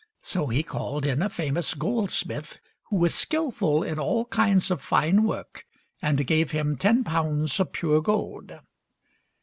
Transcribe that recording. So he called in a famous goldsmith, who was skillful in all kinds of fine work, and gave him ten pounds of pure gold.